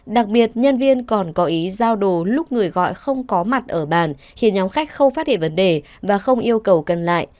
đặc biệt nhân viên còn có ý giao đồ lúc người gọi không có mặt ở bàn khiến nhóm khách không phát hiện vấn đề và không yêu cầu cần lại